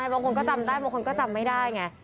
บางคนก็จำได้บางคนก็จำไม่ได้ไง